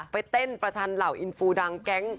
ไปเต้นประชันเหล่าอินฟูดังแก๊ง